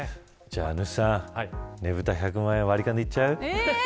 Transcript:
ねぶた１００万円割り勘で行っちゃう。